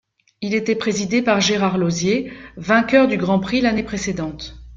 Il était présidé par Gérard Lauzier, vainqueur du Grand Prix l'année précédente.